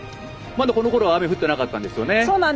このころはまだ雨が降ってなかったんですよね。